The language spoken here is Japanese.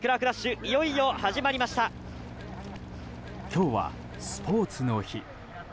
今日はスポーツの日。